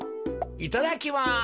いただきます。